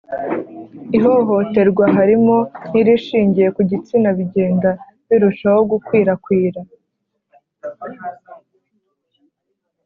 Ihohoterwa harimo n’irishingiye ku gitsina bigenda birushaho gukwirakwira.